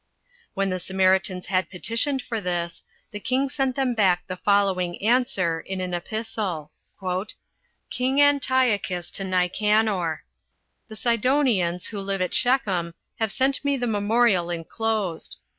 When the Samaritans had petitioned for this, the king sent them back the following answer, in an epistle: "King Antiochus to Nicanor. The Sidonians, who live at Shechem, have sent me the memorial enclosed.